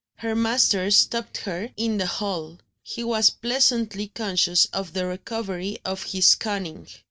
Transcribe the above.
Her master stopped her in the hall. He was pleasantly conscious of the recovery of his cunning.